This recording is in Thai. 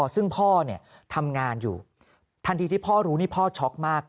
ซึ่งพ่อทำงานอยู่ทันทีที่พ่อรู้นี่พ่อช็อกมาก